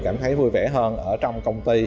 cảm thấy vui vẻ hơn ở trong công ty